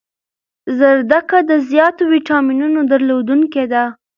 زردکه د زیاتو ویټامینونو درلودنکی ده